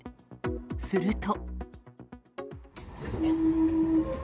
すると。